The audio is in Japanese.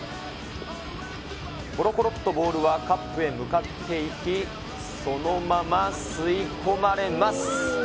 ころころっとボールはカップへ向かっていき、そのまま吸い込まれます。